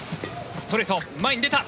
ストレート、前に出た。